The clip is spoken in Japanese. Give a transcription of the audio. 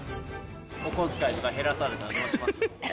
お小遣いとか減らされたらどうします？